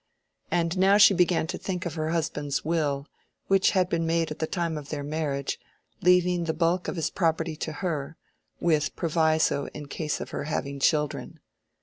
And now she began to think of her husband's will, which had been made at the time of their marriage, leaving the bulk of his property to her, with proviso in case of her having children.